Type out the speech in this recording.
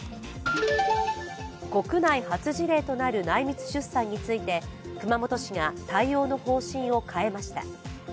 国内初事例となる内密出産について熊本市が対応の方針を変えました。